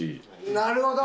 なるほど！